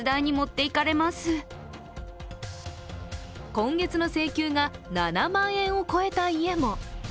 今月の請求が７万円を超えた家も。